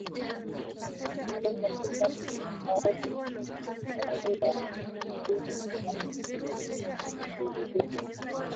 Hasa katika kutaka watu kujitegemea mwenyewe na jumuiya ilibeba